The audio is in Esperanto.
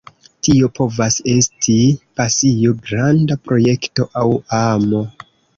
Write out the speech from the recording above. Tio povas esti pasio, granda projekto, aŭ amo.